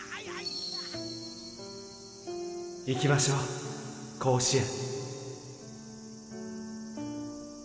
行きましょう甲子園。